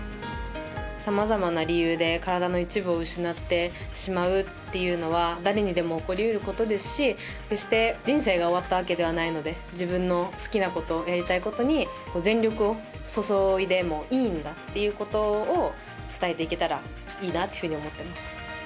さまざまな理由で体の一部を失ってしまうっていうのは誰にでも起こり得ることですし決して人生が終わったわけではないので自分の好きなことやりたいことに全力を注いでもいいんだっていうことを伝えていけたらいいなっていうふうに思ってます。